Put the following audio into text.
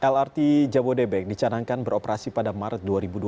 lrt jabodebek dicanangkan beroperasi pada maret dua ribu dua puluh